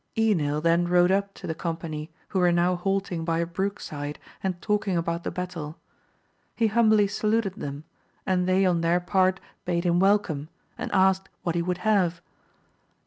Enil then rode up to the company, who were now halting by a brook side and talking about the battle ; he humbly saluted them, and they on their part bade him welcome, and asked what he would have.